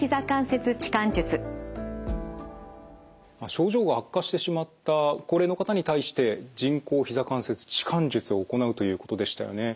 症状が悪化してしまった高齢の方に対して人工ひざ関節置換術を行うということでしたよね。